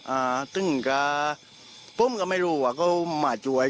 อ่าซึ่งก็ผมก็ไม่รู้ว่าเขามาจวย